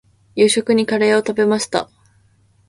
夕食にカレーを食べました。